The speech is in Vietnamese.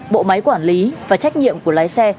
bộ máy quản lý và trách nhiệm của lái xe